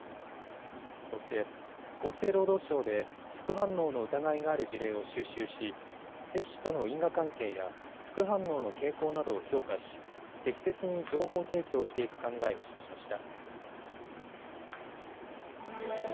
厚生労働省で副反応の疑いがある事例を収集し接種との因果関係や副反応の傾向などを評価し、適切に情報提供していく考えを示しました。